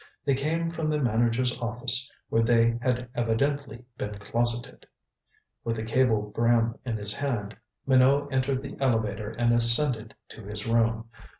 They came from the manager's office, where they had evidently been closeted. With the cablegram in his hand, Minot entered the elevator and ascended to his room.